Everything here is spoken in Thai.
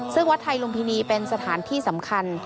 ซึ่งวัดไทยลุมพินีเป็นสถานที่สำคัญ